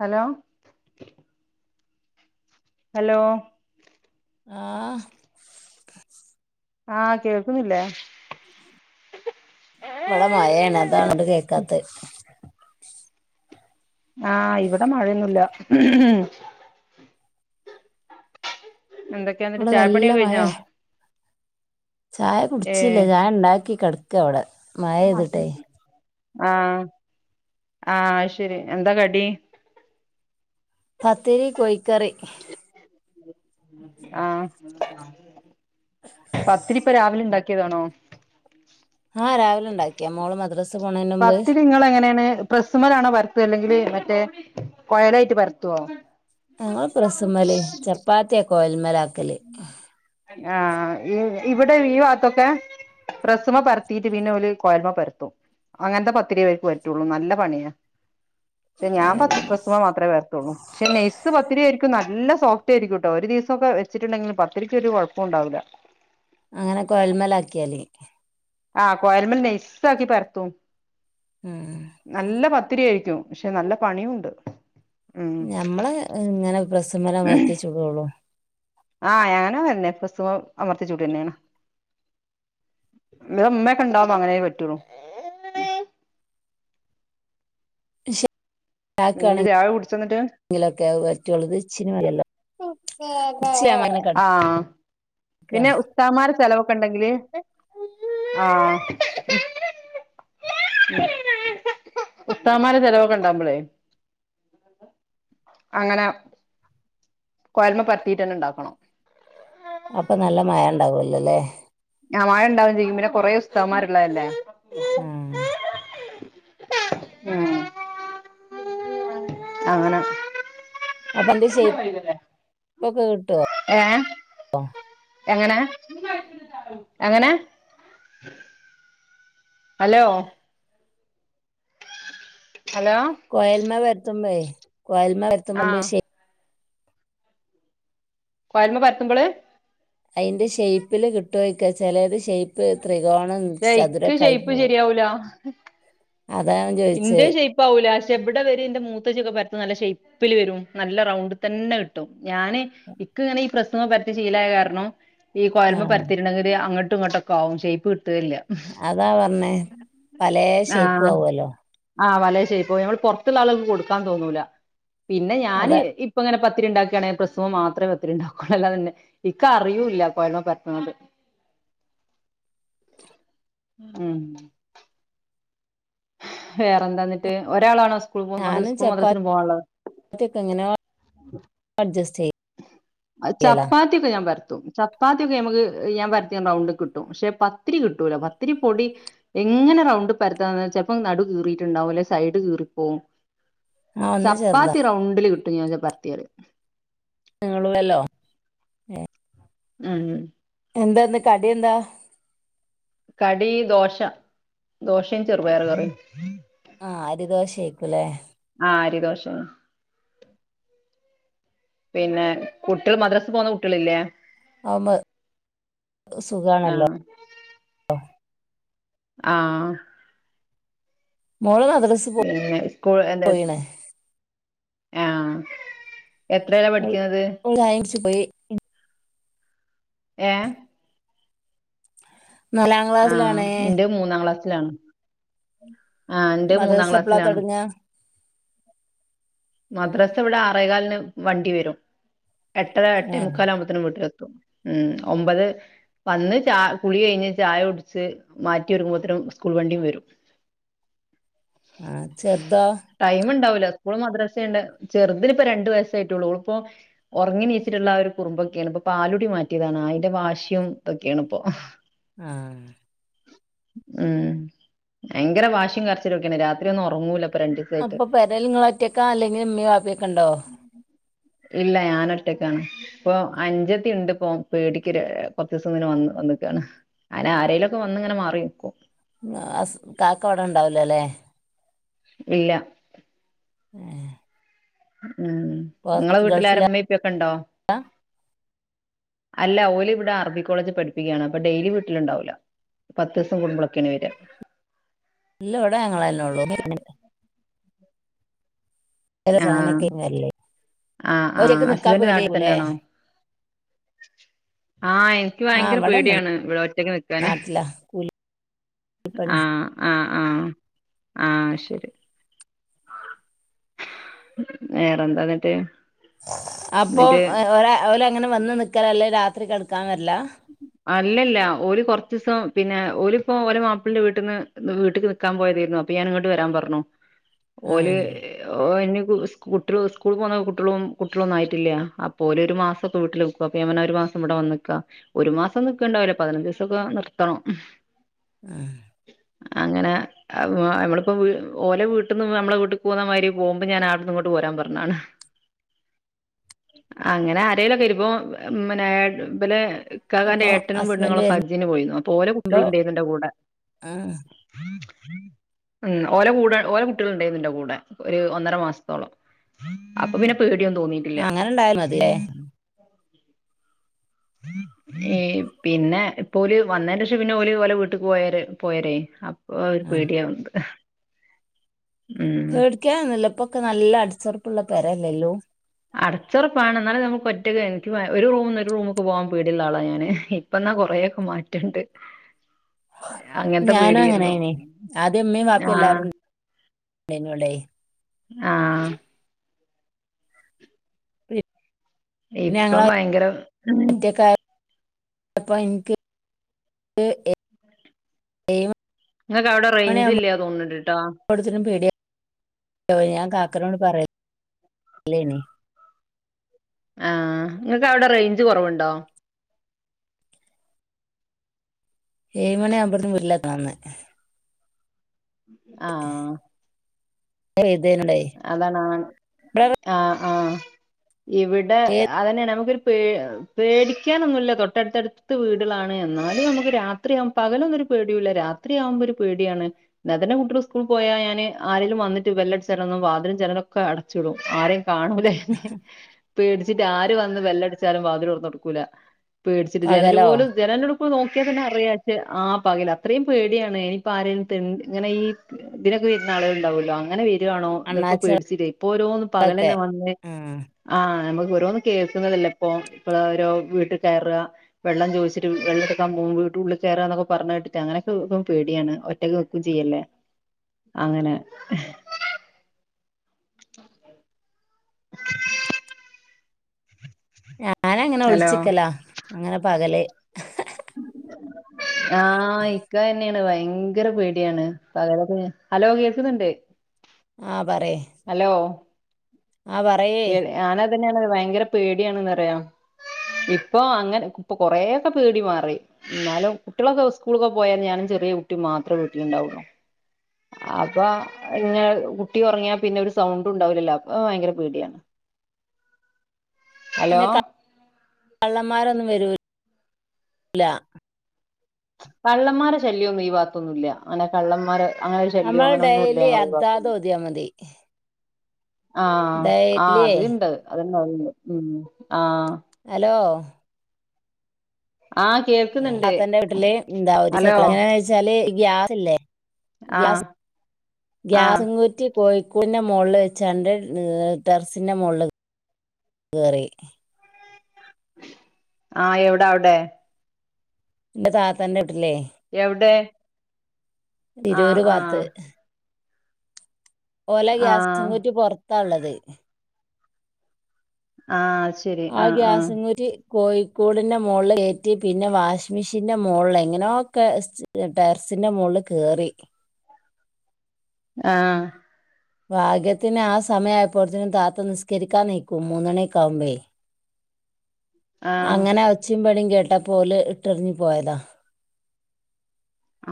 Hello hello ആഹ് ആഹ് കേൾക്കുന്നില്ലേ ഇവിടെ മഴയാണ് അതാണ്ങ്ങോട്ട് ‌കേക്കാത്തെ ആഹ് ഇവിടെ മഴയൊന്നുല്ല എന്തൊക്കെയ എന്നിട്ട് ഇവിടെ നല്ല ചായപ്പണിയൊക്കെ കഴിഞ്ഞോ മഴേ ചായ ഏഹ് കുടിച്ചീല ചായണ്ടാക്കി കിടക്കവിടെ ആഹ് ആഹ് ശരി എന്താ കടി പത്തിരി കോഴിക്കറി ആഹ് പത്തിരിപ്പ രാവിലെ ഉണ്ടാക്കിയതാണോ ആഹ് രാവിലെ ഉണ്ടാക്കിയ മോള് മദ്രസ് പോണന് മുമ്പ് ഇങ്ങളെങ്ങനെണ് പ്രസ്സുമ്മലാണോ പരത്ത അല്ലെങ്കിമറ്റേ കൊയലായിട്ട് പരത്തോ ഞങ്ങള് പ്രസ്സ് മേല് ചപ്പാത്തിയ കോയൽ മേല് ആക്കല് ആഹ് ഇവിടെ ഈ ഭാത്തൊക്കെ പ്രസ്സുമ്മേ പരത്തീട്ട് പിന്നെ ഓല് കോയലുമ്മേ പരത്തും അങ്ങനത്തെ പത്തിരിയേ ഇവർക്ക് പറ്റുള്ളൂ നല്ല പണിയ ക്ഷെ ഞാൻ പത്ത് പ്രസ്സുമേ മാത്രെ പരത്തുള്ളൂ ക്ഷെ നൈസ് പത്തിരിയിരിക്കും നല്ല സോഫ്റ്റ് ആയിരിക്കുട്ടോ ഒരു ദിവസൊക്കെ ച്ചിട്ടുണ്ടെങ്കിലു പത്തിരിക്കൊരു കുഴപ്പോണ്ടാവൂല്ല അങ്ങനെ കൊയല്മ്മലാക്കിയാതി ആഹ് കോയൽമ്മൽ നൈസാക്കി പരത്തും ഉം നല്ല പത്തിരി ആയിരിക്കും ക്ഷെ നല്ല പണിയുണ്ട് ഉം ഞമ്മള് ഇങ്ങനെ പ്രസ്സുമേൽ അമർത്തി ചുടുള്ളൂ ആഹ് ഞാനും അങ്ങനെ തന്നെ പ്രസ്സുമേൽ അമർത്തിച്ചുടുക തന്നെയാണ് ഇവിടെ ഉമ്മയൊക്കെ ഉണ്ടാകുമ്പോൾ അങ്ങനെയെ പറ്റൂള്ളൂ ഉണ്ടാക്കുക എന്നിട്ട് ചായ കുടിച്ചന്നിട്ട് ആണെങ്കിലൊക്കെ അത് പറ്റുള്ളു ഇത് ഇച്ചിരി മതിയല്ലോ ആഹ് ക്ക സ്താദ്മാർ ചിലവൊക്കെ ഉണ്ടെങ്കില് ആഹ് ഉസ്താദുമാരെ ചിലവൊക്കെ ഉണ്ടാകുമ്പോളെ അങ്ങനെ കോയലുമേൽ പരത്തീട്ടന്നെ ഉണ്ടാക്കണം അപ്പൊ നല്ല മയം ഉണ്ടാവൂല്ലല്ലോല്ലേ ആഹ് മയം ഉണ്ടാകുവേം ചെയ്യും പിന്നെ കൊറെ ഉസ്താദുമാരുള്ളതല്ലേ മ്മ് ഉം അങ്ങനെ അപ്പം അയിൻ്റെ ഷേപ്പ് ഒക്കെ കിട്ടുവോ ഏഹ് എങ്ങനെ എങ്ങനെ ഹലോ ഹലോ കോയൽ മേൽ പരത്തുമ്പോ ഏഹ് കോയൽ മേൽ ആ പരത്തുമ്പോൾ ശെയ് കോയൽ മേൽ പരത്തുമ്പോള് അതിന്റെ ശേപ്പില് കിട്ടുമാരിക്കും ചിലത് ഷേയ്പ് ത്രികോണം ഇക്ക് ചതുരൊക്കെ ആയി ഷേയ്പ്പ് പോകും ശരിയാവൂല ചോയിച്ചേ ഇന്റെ ഷേപ്പ് ആവൂല്ല പക്ഷെ ഇവിടെ ഇവരി ഇന്റെ മൂത്തേച്ചിയൊക്കെ പരത്തുമ്പോൾ നല്ല ഷേപ്പ് ഷേപ്പില് വരും നല്ല റൗണ്ട് തന്നെ കിട്ടും ഞാന് ഇക്ക് ഇങ്ങനെ ഈ പ്രസ്സ് മേൽ പരത്തി ശീലായ കാരണം ഈ കോയലുമേൽ ആഹ് പരത്തിയിട്ടിണ്ടെങ്കില് അങ്ങട്ടും ഇങ്ങോട്ടൊക്കെ ആകും ഷേപ്പ് കിട്ടുകയെ ഇല്ല അതാ പറഞ്ഞേ പലേ ഷേപ്പും ആഹ് ആകുവല്ലോ ആഹ് പലേ ഷേപ്പും ഞമ്മൾ പുറത്തുള്ള ആളുകൾക്ക് കൊടുക്കാൻ തോന്നൂല പിന്നെ ഞാൻ അതാ ഇപ്പം ഇങ്ങനെ പത്തിരി ഉണ്ടാക്കുകയാണെങ്കില് പ്രസ്സു മേൽ മാത്രമേ പത്തിരി ഉണ്ടുകുള്ളൂ അല്ലാതെ പിന്നെ ഇക്ക് അറിയുവേം ഇല്ല കോയലുമേൽ പരത്തുന്നത് ഉം വേറെന്താ എന്നിട്ട് ഒരാളാണോ സ്‌ ഞാനും ചപ്പാ ത്തിക്കങ്ങനെ അഡ്ജസ്റ്റ് ചെയ്യ ആഹ് ചപ്പാ ത്തിക്കെ ഞാൻ പരത്തും ചപ്പാത്തിയൊക്കെ നമുക്ക് ഞാൻ പരത്തി റൗണ്ട് കിട്ടും പക്ഷെ പത്തിരി കിട്ടൂല പത്തിരി പൊടി എങ്ങനെ റൗണ്ടി പരത്താന്ന് വെചപ്പം നടു കീറിട്ടുണ്ടാവും അല്ലെ സൈഡ് കീറിപ്പോവും ആഹ് ഒന്ന് ചെറുതാ ചപ്പാത്തി റൗണ്ടില് കിട്ടും ഞാ ഭർത്തിയട് നിങ്ങള് വല്ലോ അത് എന്താ എന്ത കടി എന്താ കടി ദോശ ദോശയും ചെറുപയറു കറീം ആഹ് അരി ദോശ ആയിക്കുംല്ലേ ആഹ് അരിദോഷയാ പിന്നെ കുട്ടികൾ മദ്രാസ് പോകുന്ന കുട്ടികളില്ലേ ആമ് ആ സുഖമാണല്ലോ ആഹ് മോള് മദ്ര്സ് പിന്നെ സ്കൂൾ എന്തേ ആഹ് എത്രയിലാ ഓള് പഠിക്ക്‌ന്നത് [unintelligible] ഏഹ് നാലാം ആ ക്ലാസ്സിലാണേ എന്റെ മൂന്നാം ക്ലാസ്സിലാണ് ആഹ് ന്റെ മൂന്നാം മദ്രസ എപ്പളാ ക്ലാസ്സിലാണ് തൊടങ്ങാ മദ്രസ ഇവിടെ ആറേകാലിന് വണ്ടി വരും എട്ടര എട്ടേ ഏഹ് മുക്കാല് ത്തിനും വീട്ടിലെത്തും ഉം ഒമ്പതേ വന്ന് ചാ കുളി കഴിഞ്ഞ് ചായ ഒടിച്ച് മാറ്റി ഒരുങ്ങബത്തിനും സ്കൂൾ വണ്ടീം വരും [inaudible] ആഹ് ചെർതോ ടൈം ണ്ടാവൂല്ല സ്കൂളും മദ്രസയ്ണ്ട് ചെറുതിന് ഇപ്പ രണ്ടുവയസ്സായിട്ട് ള്ളൂ ഓള് പ്പോ ഒറങ്ങിനീച്ചിട്ടുള്ള ആ ഒരു കുറുമ്പൊക്കെയാണ് ഇപ്പൊ പാലുടി മാറ്റിയതാണ് അയിന്റെ വാശ്യീഉം തക്കെയാണ് ഇപ്പൊ [inaudible] ആഹ് ഉം ഭയങ്കര വാശി കരച്ചിലോക്കേയാണ് രാത്രി ഒന്നും ഒറങ്ങൂല പ്പൊ രണ്ടി അപ്പൊ പെരൽ ങ്ങള് ഒറ്റൊക്കാ അല്ലെങ്കിൽ ഉമ്മയും വാപ്പയും ക്കെ ണ്ടോ ഇല്ല ഞാനൊറ്റക്കാണ് പ്പൊ അൻഞ്ചത്തി ഉണ്ട് പ്പൊ പേടിക്ക് രു കൊറചൂസത്തിന് വന്ന് വന്ന് ക്കാണ് അയിന് ആരയിലുംക്കെ വന്നിങ്ങനെ മാറി നിക്കും ആഹ് അസ് കാക്കവ്ടെ ണ്ടാവൂല ല്ലേ ഇല്ല എഹ് ഉം ങ്ങളെ ഗൾഫിലാ വീട്ടിലാരമ്മപ്പൊക്കെ ണ്ടോ അല്ല ഓല് ഇവ്ടെ അറബി കോളേജി പഠിപ്പിക്കുകയാണ് അപ്പ ഡെയിലി വീട്ടില്ണ്ടാവൂല പത്തൂസം കൂടുബളൊക്കെയാണ് വെര ഇല്ല ഇവിടെ ഞങ്ങളന്നെ ള്ളു [unintelligible] ആഹ് അങ്ങനൊക്കെ വരല് ആഹ് ആഹ് ഒറ്റക്ക് നിക്കാൻ ഹസ്ബൻഡ് പേടിയായിരിക്കൂല്ലേ നാട്ടിതന്നെയാണോ ആഹ് എനിക്ക് ആഹ് ഭയങ്കര ഇവിടെന്നെ പേടിയാണ് ഇവിടെ ഒറ്റക്ക് നിക്കാന് [unintelligible] കൂലിപ്പണി ആഹ് ആഹ് ആഹ് ആഹ് ശരി വേറെ ന്താന്നിട്ട് അപോം ഓലങ്ങനെ വന്ന് നിക്കല അല്ലേ രാത്രി കടക്കാൻ വര് ലാ അല്ലല്ല ഓര് കൊറച്ച്സം പിന്നെ ഓല്പ്പോ ഓല മാപ്പിളിന്റെ വീട്ടിന്ന് ന്ന് വീട്ട്ക്ക് നിക്കാൻ പോയതെരുന്നു അപ്പൊ ഞാാന്ങ്ങോട്ട് വരാൻ പറഞ്ഞു ഓല് ആഹ് ഓഹ് എനി കു സ് കുട്ടള് സ്കൂൾക്ക് പോണ കുട്ടളും കുട്ടളൊന്നും ആയിട്ടില്ല അപോലൊരു മാസൊക്കെ വീട്ടില് നി പൊ പ്യാൻ പറഞ്ഞു ഒരു മാസം ഇവടെ വന്ന്ക്കാ ഒരു മാസം നിക്കണ്ടാവില്ല പതിനഞ്ച് ദീസൊക്കെ നിർത്തണം ആഹ് അങ്ങനെ അപ്പൊ ഞമ്മളിപ്പോ വീ ഓലെ വീട്ടിന്ന് ഉം അമ്മളെ വീട്ടിക് പോന്ന മാരി പോവുമ്പോ ഞാൻ ആട്ന്ന് ങ്ങോട്ട് പോരാൻ പറഞ്ഞാണ് അങ്ങനെ ആരേലൊക്കെ ഇര്പ്പൊ മ്മനെ ബലെ ഇക്കാകാന്റെ അപ്പൊ ഏട്ടനും ഹസ്ബൻഡ് പെണ്ണുങ്ങളൊക്കെ ഹജ്ജിന് പോയിന്നു അപ്പൊ ഓലെ വരുമ്പോ കുട്ട്യള് ണ്ടെയിന്നു ന്റെ കൂടെ ആഹ് ഉം ഓല കൂടെ ഓല കുട്ട്യള് ണ്ടായിന്നു ന്റെകൂടെ ഒരു ഒന്നര മാസത്തോളം അപ്പൊ പിന്നെ പേടിയൊന്നും തോന്നി അങ്ങനെണ്ടായാൽ മതില്ലേ? ഏയ് പിന്നെ ഇപ്പോല് വന്നേന്റെഷം പിന്നെ ഓല് ഓലെ വീട്ടക്ക് പോയരെ പോയരേ അ ഓ ഒരു ആഹ് പേടിയാവണ്ട് പേടിക്കാനൊന്നൂല്ല പ്പൊക്കെ നല്ല അടിച്ചൊറപ്പുള്ള പരല്ലേല്ലോ? അടച്ചൊറപ്പാണ് ന്നാലും നമുക്ക് ഒറ്റക്ക്‌ എനിക്ക് ഒരു റൂമ്ന്ന് ഒരു റൂമ്ക്ക് പോകാൻ പേടിള്ള ആളാ ഞാന് ഇപ്പന്നാ കൊറേക്കെ മാറ്റണ്ട് അങ്ങനത്തെ ഞാനും പേട്യേരുന്നു അങ്ങനെയായിനി ആദ്യം ഉമ്മയും വാപ്പയും ആഹ് എല്ലാരും ഉണ്ടായിരുന്നു ഇവിടെ ആഹ് ഇപ്പം ഞങ്ങളെ ഭയങ്കര ഉം ഒറ്റക്കായ പ്പ ഇൻക്ക് ക്ക്‌ ഏ ഇങ്ങക്ക് അവടെ റേഞ്ച് ഇല്ല്യ തോന്ന്ണ് ണ്ട്ട്ടാ കൊടുത്തിട്ടും പേടിയ ഞാൻ കാക്കനോട് പറയ ല്ലേയ്ന് ആഹ് ഇങ്ങൾക്ക് അവടെ റേഞ്ച് കൊറവുണ്ടോ? ഏഴ് മണി ആകുമ്പത്തിനും വീട്ടിലെത്തണം ന്ന് ആഹ് ഏതേനുണ്ടായി അതാണ് ആഹ് ആഹ് ആഹ് ഇവിടെ അതന്നെ നമുക്കൊരു പേ പേടിക്കാനൊന്നുല്ല തൊട്ടടുത്തടുത്ത് വീടുളാണ് എന്നാലും നമുക്ക് രാ ത്രിയാം പകലൊന്നും ഒരു പേടിയുല്ല രാത്രിയാവുമ്പോ ഒരു പേടിയാണ്. ന്നാ തന്നെ കുട്ടള് സ്കൂൾ പോയാ ഞാന് ആരെങ്കിലും വന്നിട്ട് ബെല്ലടിച്ച ച്ചാലൊന്നും വാതിലും ജനലൊക്കെ അടച്ചിടും ആരേം കാണൂലെന്ന് പേടിച്ചിട്ട് ആര് വന്ന് വെല്ലടിച്ചാലും വാതിലൊറന്നൊടുക്കൂല പേടിച്ചിട്ട് ജനല് പകലോ പോലും ജനല്ന് ഇപ്പൊ നോക്കിയാ തന്നെ അറിയാച്ചെ ആ പകൽ അത്രയും പേടിയാണ് ഇനിപ്പ ആരേലും തെൻ ഇങ്ങനെ ഈ തിനൊക്കെ വെരുന്ന ആളുകള് ണ്ടാവല്ലോ? അങ്ങനെ വെര് കാണോ തെപ്പോ അണ്ണാച്ചകളൊക്കെ പേടിച്ചിലെ ഇപ്പൊ ഓരോന്നും പകലന്നെ വന്നേ ആ ആഹ് ഞമ്മക്ക് ഓരോന്നും കേൾക്കുന്നതല്ലേ ഇപ്പൊ? ഇപ്പളോരോ വീട്ടീ കയറ വെള്ളം ചോയ്ച്ചിട്ട് വെള്ളെ എടുക്കാൻ വീട്ട് വീട്ടുള്ളിൽ കയറന്നൊക്കെ പറഞ്ഞ് കേട്ടിട്ട് അങ്ങനക്കെ പ്പം പേടിയാണ് ഒറ്റക്ക് നി ക്കും ച്ചീയല്ലേ അങ്ങനെ ഞാനങ്ങനെ ഹലോ ഒളിച്ചിക്കലാ അങ്ങനെ പകല് ആഹ് ഇക്കയ്ന്നെയാണ് വയങ്കര പേടിയാണ് പകലൊക്കെ ഹലോ കേൾക്കുന്നുണ്ട് ആഹ് പറയ് ഹലോ ആഹ് പറയേ ഞാനതന്നെണ് വയങ്കര പേടിയാണെന്ന്റയാ ഇപ്പൊ അങ്ങനെ ഇപ്പൊ കൊറയൊക്കെ പേടി മാറി ന്നാലും കുട്ടളൊക്കെ സ്കൂളക്കൊക്കെ പോയാല് ഞാനും ചെറിയ കുട്ടി മാത്രേ വീട്ടില്ണ്ടാവൊള്ളു അപ്പൊ ഇങ്ങനെ കുട്ടി ഉറങ്ങിയാ പിന്നെ ഒരു സൗണ്ട് ഉണ്ടാവൂലല്ലോ? അപ്പ വയങ്കര പേടിയാണ് [inaudible] ഹലോ പിന്നെ ക കള്ളന്മാരൊന്നും വരൂല കള്ളന്മാരെ ശല്യമൊന്നും ഈ ഭാത്തൊന്നു ഇല്ല അങ്ങനെ കള്ളന്മാര് അങ്ങനെ ഒരു ശല്യോ നമ്മൾ അങ്ങനെ ഒന്നുല്ല ഡെയിലി ഞങ്ങളെ ഈ അദ്ദാതെ ഭാഗത്തൊന്നും ഓതിയാ മതി ആഹ് ആഹ് ഡെയിലി അത്ണ്ട് അത്ണ്ടാവും ഉം ആഹ് ഹലോ ആഹ് കേൾക്കുന്നുണ്ട് താത്തന്റെ വീട്ടില് എന്താ ഒരു ഹലോ എങ്ങനെച്ചാല് ഗ്യാസ്ല്ലേ ആഹ് ഗ്യാസ് ആഹ് ഗ്യാസ് കുറ്റി കോഴിക്കൂടിൻ്റെ മോളിൽ വെച്ചാണ്ട് ടെർസിൻ്റെ മോളിൽ കേറി ആഹ് എവിടെ അവിടെ? ഇന്റെ താത്തന്റെ വീട്ടില്ലേ എവിടെ ആഹ് തിരൂര് ബാത്ത് ആഹ് ഓലെ ഗ്യാസും ആഹ് കുറ്റി പൊറത്താള്ളത് ആഹ് ഗ്യാസ്കുറ്റി കോഴിക്കൂടിന്റെ മോളില് കേറ്റി പിന്നെ വാഷിംഗ് മെഷീന്റെ മോളിൽ എങ്ങനൊക്കെ ടെർസിന്റെ മോളിൽ കേറി ആഹ് ഭാഗ്യത്തിന് ആഹ് സമയ ആയപ്പോത്തിനും താത്ത നിസ്കരിക്കാൻ നിക്കും മൂന്നണിക്കാവുമ്പയെ [inaudible] അങ്ങനെ ഒച്ച വിളീം കേട്ടപ്പോ ഓല് ഇട്ടെറിഞ്ഞു പോയതാ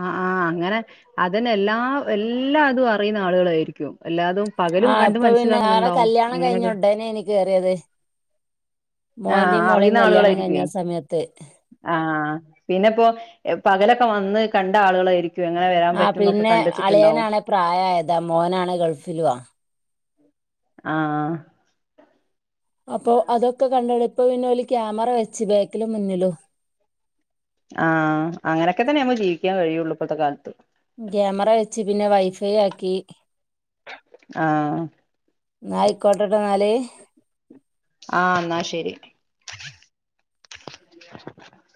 ആഹ് ആഹ് അങ്ങനെ അതന്നേ എല്ലാ എല്ലാ അതും അറിയുന്ന ആളുകളായിരിക്കും എല്ലാതും പകല് ആഹ് കണ്ട് ഇപ്പൊ പിന്നെ ആളെ മനസ്സിലാക്കുന്നുണ്ടാവും കല്യാണം എങ്ങനെ കഴിഞ്ഞ ഉടനെ ആണ് കേറിയത് ആഹ് മോന്റയും മോളയും അറിയുന്ന കല്യാണം കഴിഞ്ഞ ആളുകളായിരിക്കുവേ സമയത്ത് ആഹ് പിന്നെപ്പോ പകലൊക്കെ വന്ന് കണ്ട ആളുകളായി എങ്ങനെ വരാൻ പറ്റുന്നൊക്കെ കണ്ടച്ചിട്ടുണ്ടാവും പ്രായയതാ മോനാണെ ഗൾഫിലുആ ആഹ് അപ്പൊ അതൊക്കെ കണ്ടാണ്ട് ഇപ്പൊ പിന്നെ ഓല് ക്യാമറ വെച്ച് ബേക്കിലും മുന്നിലും ആഹ് അങ്ങനൊക്കെ തന്നെ നമ്മക്ക് ജീവിക്കാൻ കഴിയുള്ളു ഇപ്പോത്തെ കാലത്ത് ക്യാമറ വെച്ച് പിന്നെ വൈഫൈ ആക്കി ആഹ് എന്നാ ആയിക്കോട്ടെട്ടോ എന്നാല് ആഹ് എന്നാ ശരി